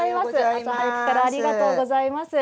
朝早くからありがとうございます。